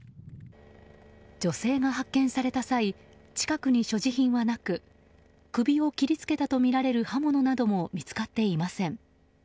女性が発見された際近くに所持品はなく首を切り付けたとみられる刃物なども見つかっていません。